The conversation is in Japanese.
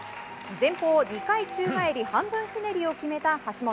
前方２回宙返り半分ひねりを決めた橋本。